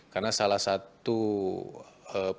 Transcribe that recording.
karena salah satu penyusupan